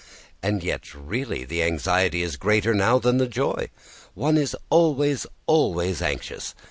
And yet really the anxiety is greater now than the joy. One is always, always anxious!